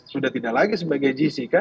sudah tidak lagi sebagai jc kan